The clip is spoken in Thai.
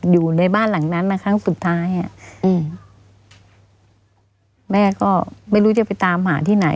อยู่ในบ้านหลังนั้นนะคะครั้งสุดท้ายอ่ะอืมแม่ก็ไม่รู้จะไปตามหาที่ไหน